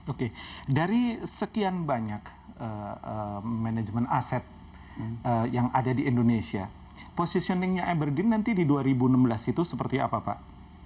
oke dari sekian banyak manajemen aset yang ada di indonesia positioningnya emergen nanti di dua ribu enam belas itu seperti apa pak